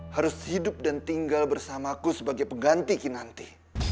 harus hidup dan tinggal bersamaku sebagai pengganti kinanti